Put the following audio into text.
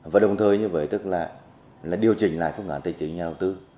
và đồng thời như vậy tức là điều chỉnh lại phương án tài chính nhà đầu tư